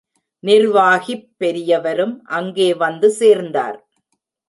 நிர்வாகிப் பெரியவரும் அங்கே வந்து சேர்ந்தார்.